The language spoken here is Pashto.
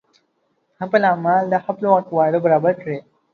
خپل اعمال د خپلو اقوالو برابر کړئ